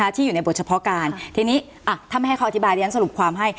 ที่อยู่ในบทเฉพาะการทีนี้ถ้าไม่ให้เขาอธิบายเรียนสรุปความให้